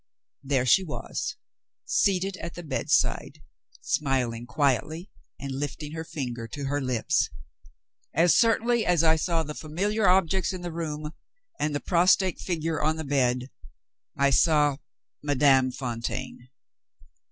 There she was, seated at the bedside, smiling quietly and lifting her finger to her lips! As certainly as I saw the familiar objects in the room, and the prostrate figure on the bed, I saw Madame Fontaine!